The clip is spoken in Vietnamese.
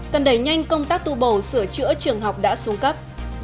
cần đẩy nhanh công tác tu bổ sửa chữa trường học đã xuống cấp